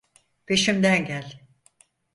Peşimden gel.